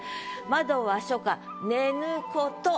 「窓は初夏寝ぬ子と」。